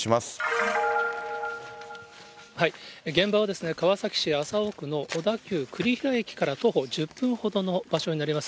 現場は川崎市麻生区の小田急栗平駅から徒歩１０分ほどの場所になります。